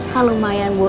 kalau lumayan bu